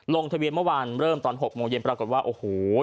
ลงทะเบียนเมื่อวานเริ่มตอน๖โมงเย็นปรากฏว่าโอ้โห